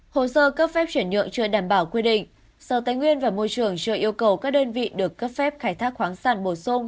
hồ sơ cấp phép chuyển nhượng chưa đảm bảo quy định sở tài nguyên và môi trường chưa yêu cầu các đơn vị được cấp phép khai thác khoáng sản bổ sung